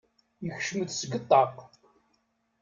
Yekcem-d seg ṭṭaq.